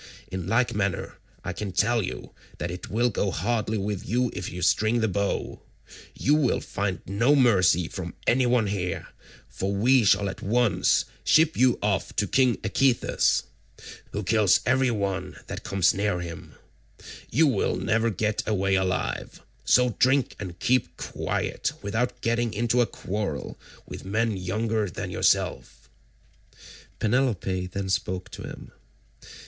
In like manner I can tell you that it will go hardly with you if you string the bow: you will find no mercy from any one here, for we shall at once ship you off to king Echetus, who kills every one that comes near him: you will never get away alive, so drink and keep quiet without getting into a quarrel with men younger than yourself." Penelope then spoke to him.